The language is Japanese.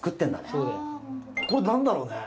これ何だろうね？